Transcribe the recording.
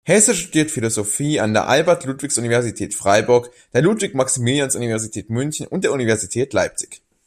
Hesse studierte Philosophie an der Albert-Ludwigs-Universität Freiburg, der Ludwig-Maximilians-Universität München und der Universität Leipzig.